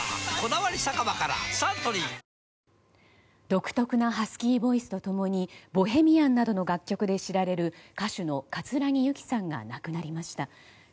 独特なハスキーボイスと共に「ボヘミアン」などの楽曲で知られる歌手の葛城ユキさんが亡くなりました。